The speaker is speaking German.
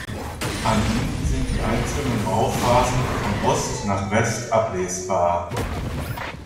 An ihnen sind die einzelnen Bauphasen von Ost nach West ablesbar.